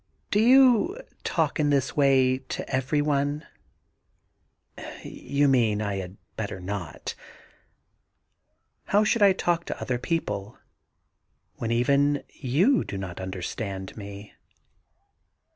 * Do you talk in this way to every one ?'* You mean I had better not ? How should I talk to other people, when even you do not understand me?'